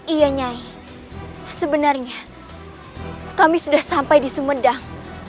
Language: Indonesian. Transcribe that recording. iya nyai sebenarnya kami sudah sampai di sumedang